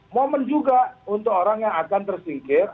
momen juga untuk orang yang akan tersingkir